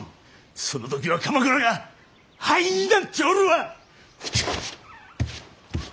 その時は鎌倉が灰になっておるわ！